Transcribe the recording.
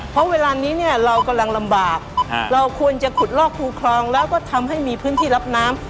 เพราะเวลานี้เนี่ยเรากำลังลำบากเราควรจะขุดลอกคูคลองแล้วก็ทำให้มีพื้นที่รับน้ำ